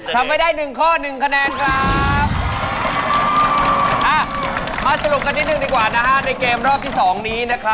ทำไปได้๑ข้อ๑คะแนนครับ